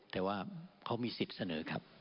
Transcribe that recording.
แต่ว่าเขามีสิทธิ์เสนอครับ